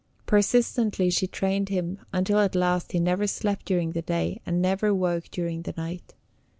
Persistently she trained him, until at last he never slept during the day, and never woke during the night.